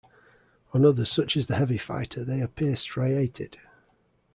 On others such as the heavy fighter they appear striated.